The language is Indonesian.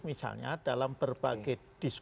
misalnya dalam berbagai